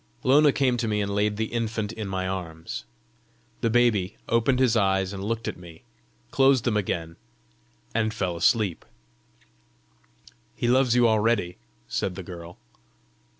Lona came to me and laid the infant in my arms. The baby opened his eyes and looked at me, closed them again, and fell asleep. "He loves you already!" said the girl.